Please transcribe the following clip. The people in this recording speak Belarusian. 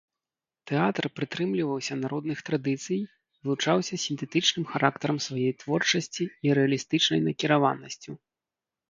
Тэатр прытрымліваўся народных традыцый, вылучаўся сінтэтычным характарам сваёй творчасці і рэалістычнай накіраванасцю.